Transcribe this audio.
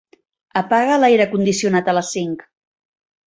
Apaga l'aire condicionat a les cinc.